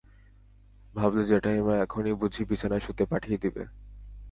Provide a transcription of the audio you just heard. ভাবলে জ্যাঠাইমা এখনই বুঝি বিছানায় শুতে পাঠিয়ে দেবে।